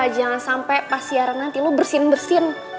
jangan sampai pas siaran nanti lo bersin bersin